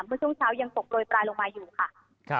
เมื่อช่วงเช้ายังตกโรยปลายลงมาอยู่ค่ะ